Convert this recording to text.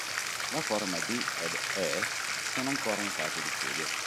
La forma "d" ed "e" sono ancora in fase di studio.